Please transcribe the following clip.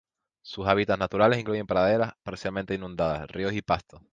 Sus hábitats naturales incluyen praderas parcialmente inundadas, ríos y pastos.